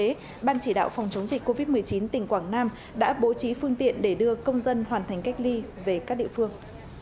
trước đó ban chỉ đạo phòng chống dịch covid một mươi chín tỉnh quảng nam đã bố trí phương tiện để đưa công dân hoàn thành cách ly về các địa phương